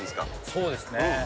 そうですね。